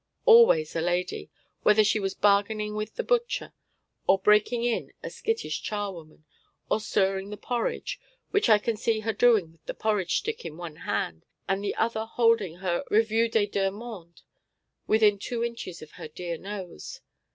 Always a lady, whether she was bargaining with the butcher, or breaking in a skittish charwoman, or stirring the porridge, which I can see her doing with the porridge stick in one hand, and the other holding her Revue des deux Mondes within two inches of her dear nose.